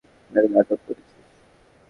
অনেক নাটক করেছিস।